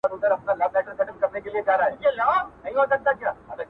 پر یوه ګور به ژوند وي د پسونو، شرمښانو!